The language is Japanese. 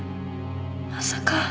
まさか。